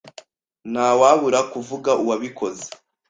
Ntawabura kuvuga uwabikoze.